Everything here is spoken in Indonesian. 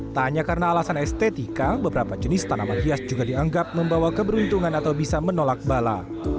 tak hanya karena alasan estetika beberapa jenis tanaman hias juga dianggap membawa keberuntungan atau bisa menolak bala